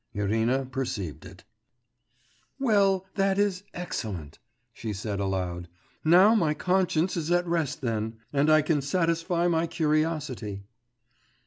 Irina perceived it. 'Well, that is excellent,' she said aloud; 'now my conscience is at rest then, and I can satisfy my curiosity.